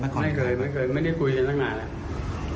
ไม่เคยไม่เคยไม่ได้คุยกันตั้งนานแล้ว